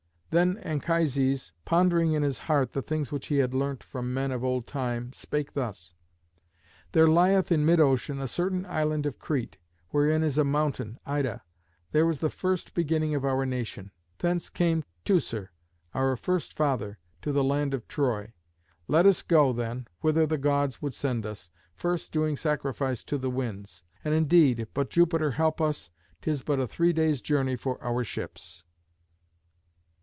Then Anchises, pondering in his heart the things which he had learnt from men of old time, spake thus: "There lieth in mid ocean a certain island of Crete, wherein is a mountain, Ida. There was the first beginning of our nation. Thence came Teucer, our first father, to the land of Troy. Let us go, then, whither the Gods would send us, first doing sacrifice to the Winds; and, indeed, if but Jupiter help us, 'tis but a three days' journey for our ships."